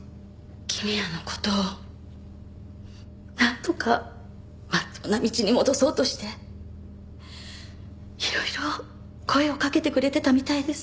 公也の事をなんとかまっとうな道に戻そうとしていろいろ声をかけてくれてたみたいです。